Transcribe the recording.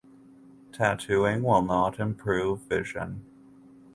Tattooing will not improve vision.